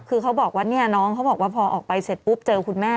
คือเขาบอกว่าเนี่ยน้องเขาบอกว่าพอออกไปเสร็จปุ๊บเจอคุณแม่